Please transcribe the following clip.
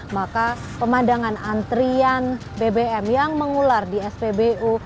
maka pemandangan antrian bbm yang mengular di spbu